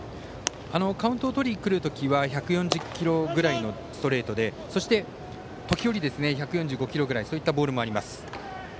カウントをとりにくる時は１４０キロぐらいのストレートでそして、時折１４５キロくらいのボールもあります。